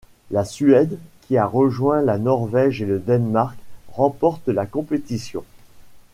La Suède, qui a rejoint la Norvège et le Danemark, remporte la compétition.